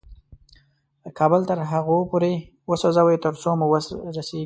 کابل تر هغو پورې وسوځوئ تر څو مو وس رسېږي.